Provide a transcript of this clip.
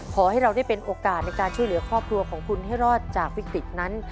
ขอให้เราได้เป็นโอกาสในการช่วยเหลือครอบครัวของคุณให้รอดจากวิกฤตนั้น